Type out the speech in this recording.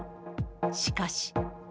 しかし。